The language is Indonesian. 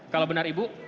kalau benar ibu